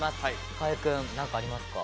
河合くん何かありますか？